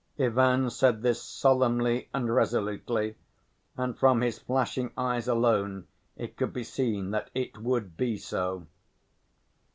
Ivan said this solemnly and resolutely and from his flashing eyes alone it could be seen that it would be so.